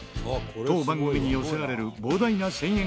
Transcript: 当番組に寄せられる膨大な１０００円